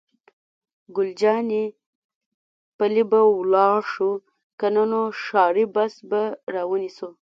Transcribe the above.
ګل جانې: پلي به ولاړ شو، که نه نو ښاري بس به را ونیسو.